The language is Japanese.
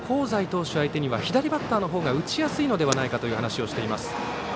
投手相手には左バッターの方が打ちやすいのではないかという話をしています。